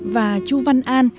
và chu văn an